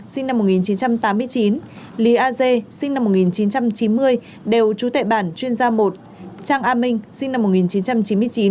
sinh năm một nghìn chín trăm tám mươi chín lý a dê sinh năm một nghìn chín trăm chín mươi đều trú tại bản chuyên gia một trang a minh sinh năm một nghìn chín trăm chín mươi chín